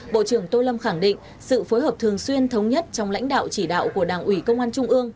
bộ trưởng tô lâm khẳng định sự phối hợp thường xuyên thống nhất trong lãnh đạo chỉ đạo của đảng ủy công an trung ương